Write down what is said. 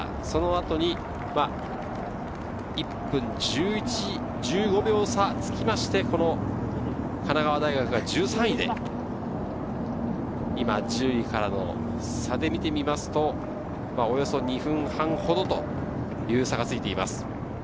その後１分１５秒差がついて神奈川大学が１３位で、１０位からの差で見ると、およそ２分半ほどという差がついています。